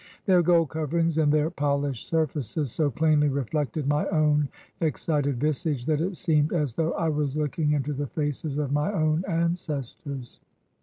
"Their gold coverings and their polished surfaces so plainly reflected my own excited visage that it seemed as though I was looking into the faces of my own ancestors.